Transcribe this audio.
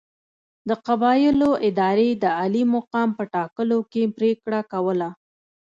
د قبایلو ادارې د عالي مقام په ټاکلو کې پرېکړه کوله.